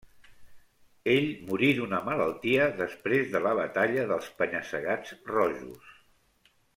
Ell morí d'una malaltia després de la Batalla dels Penya-segats Rojos.